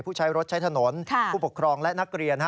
ผู้ใช้รถใช้ถนนผู้ปกครองและนักเรียน